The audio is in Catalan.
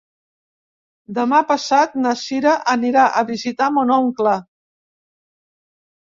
Demà passat na Cira anirà a visitar mon oncle.